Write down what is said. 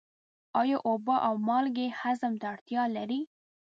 آیا اوبه او مالګې هضم ته اړتیا لري؟